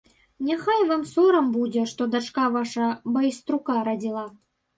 Няхай вам сорам будзе, што дачка ваша байструка радзіла.